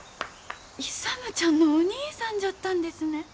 勇ちゃんのお兄さんじゃったんですね。